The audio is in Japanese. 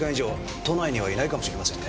都内にはいないかもしれませんね。